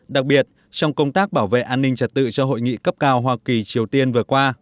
đặc biệt trong công tác bảo vệ an ninh trật tự cho hội nghị cấp cao hoa kỳ triều tiên vừa qua